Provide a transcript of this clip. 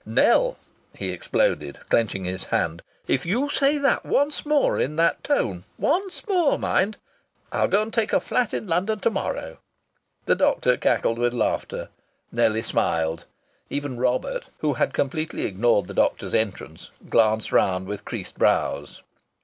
"Nell," he exploded, clenching his hand. "If you say that once more in that tone once more, mind! I'll go and take a flat in London to morrow!" The doctor crackled with laughter. Nellie smiled. Even Robert, who had completely ignored the doctor's entrance, glanced round with creased brows.